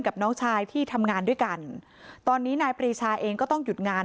น้องชายที่ทำงานด้วยกันตอนนี้นายปรีชาเองก็ต้องหยุดงาน